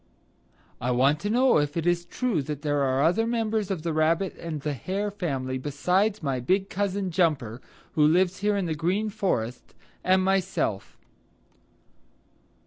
"I want to know if it is true that there are any other members of the Rabbit and the Hare family besides my big cousin, Jumper, who lives here in the Green Forest, and myself."